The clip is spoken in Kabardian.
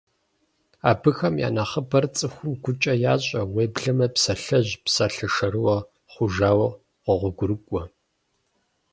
Абыхэм я нэхъыбэр цӀыхум гукӀэ ящӀэ, уеблэмэ псалъэжь, псалъэ шэрыуэ хъужауэ къогъуэгурыкӀуэ.